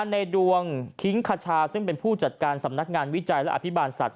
ในดวงคิ้งคชาซึ่งเป็นผู้จัดการสำนักงานวิจัยและอภิบาลสัตว